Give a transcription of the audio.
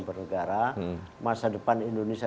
bernegara masa depan indonesia